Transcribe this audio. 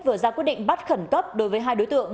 vừa ra quyết định bắt khẩn cấp đối với hai đối tượng